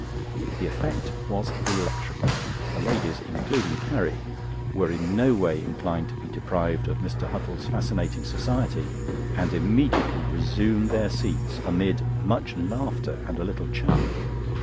The effect was electrical. The ladies (including Carrie) were in no way inclined to be deprived of Mr. Huttle's fascinating society, and immediately resumed their seats, amid much laughter and a little chaff.